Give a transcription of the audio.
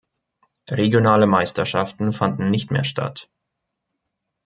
Regionale Meisterschaften fanden nicht mehr statt.